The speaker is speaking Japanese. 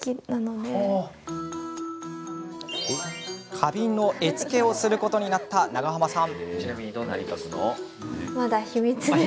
花瓶の絵付けをすることになった長濱さん。